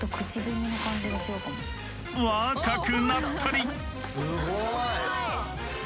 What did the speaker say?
若くなったり。